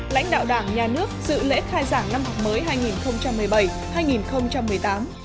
lãnh đạo đảng nhà nước dự lễ khai giảng năm học mới hai nghìn một mươi bảy hai nghìn một mươi tám